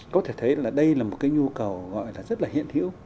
có thể thấy là đây là một cái nhu cầu gọi là rất là hiện hữu